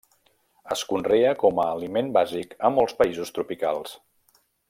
Es conrea com a aliment bàsic a molts països tropicals.